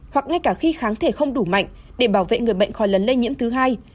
hoặc ngay cả khi kháng thể không đủ mạnh để bảo vệ người bệnh khỏi lần lây nhiễm thứ hai